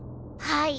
はい。